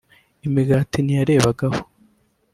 imigati ntiyarebagaho